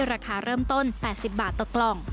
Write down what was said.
ราคาเริ่มต้น๘๐บาทต่อกล่อง